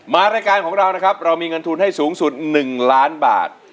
รายการของเรานะครับเรามีเงินทุนให้สูงสุด๑ล้านบาท